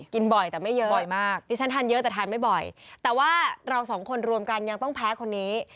บ่อยแต่ไม่เยอะบ่อยมากดิฉันทานเยอะแต่ทานไม่บ่อยแต่ว่าเราสองคนรวมกันยังต้องแพ้คนนี้